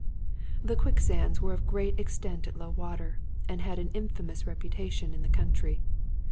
The quicksands were of great extent at low water, and had an infamous reputation in the country.